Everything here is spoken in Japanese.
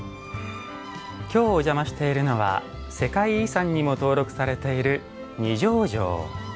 今日お邪魔しているのは世界遺産にも登録されている二条城。